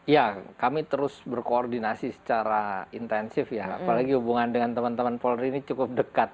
ya kami terus berkoordinasi secara intensif ya apalagi hubungan dengan teman teman polri ini cukup dekat